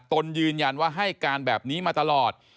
ตนยืนยันว่าให้การแบบนี้มาตลอด